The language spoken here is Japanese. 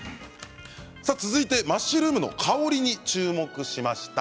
続いてマッシュルームの香りに注目しました。